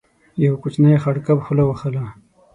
يو کوچنی خړ کب خوله وهله.